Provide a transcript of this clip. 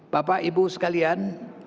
bapak ibu sekalian